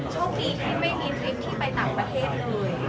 โชคดีที่ไม่มีทริปที่ไปต่างประเทศเลย